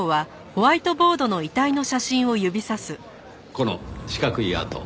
この四角い痕。